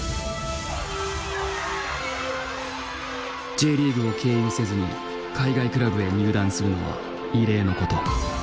Ｊリーグを経由せずに海外クラブへ入団するのは異例のこと。